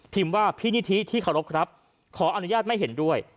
ว่าพี่นิธิที่เคารพครับขออนุญาตไม่เห็นด้วย